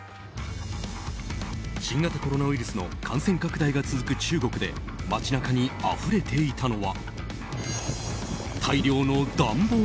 新型コロナウイルスの感染拡大が続く中国で街中にあふれていたのは。